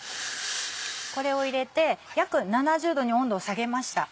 これを入れて約７０度に温度を下げました。